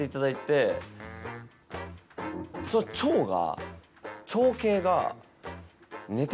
その長が。